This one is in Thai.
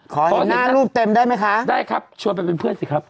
ขอหน้ารูปเต็มได้ไหมคะได้ครับชวนไปเป็นเพื่อนสิครับ